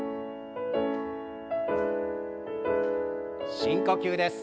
深呼吸です。